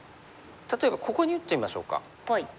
例えばここに打ってみましょうか。